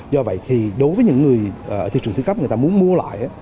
do vậy thì đối với những người ở thị trường thứ khắp người ta muốn mua lại